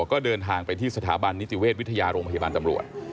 ก็เดินทางไปที่สถาบันนิติเวชวิทยาโรงพยาบาลตำรวจ